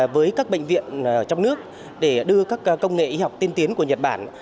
với các bệnh viện ở trong nước để đưa các công nghệ y học tiên tiến của nhật bản